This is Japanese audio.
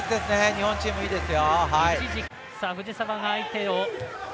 日本チームいいですよ。